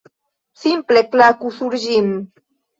Simple klaku sur ĝin